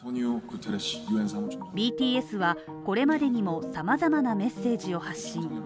ＢＴＳは、これまでにもさまざまなメッセージを発信。